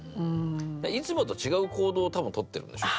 いつもと違う行動を多分とってるんでしょうね。